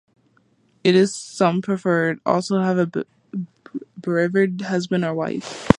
It is some performed also for a bereaved husband or wife.